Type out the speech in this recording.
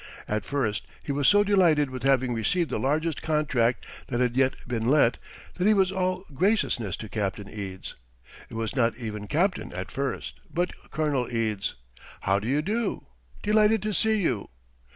At first he was so delighted with having received the largest contract that had yet been let that he was all graciousness to Captain Eads. It was not even "Captain" at first, but "'Colonel' Eads, how do you do? Delighted to see you."